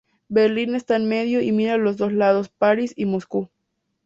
Berlín está en medio y mira a dos lados: París y Moscú.